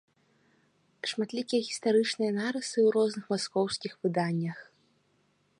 Шматлікія гістарычныя нарысы ў розных маскоўскіх выданнях.